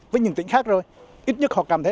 với những tỉnh khác rồi ít nhất họ cảm thấy